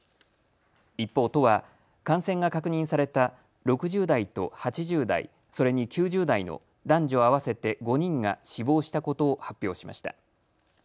一方、都は感染が確認された６０代と８０代、それに９０代の男女合わせて５人が死亡したことを発表しました。